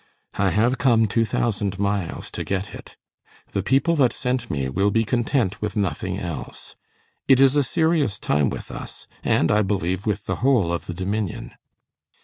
"I have come two thousand miles to get it. The people that sent me will be content with nothing else. It is a serious time with us, and I believe with the whole of the Dominion."